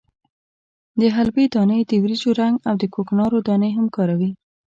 د حلبې دانې، د وریجو رنګ او د کوکنارو دانې هم کاروي.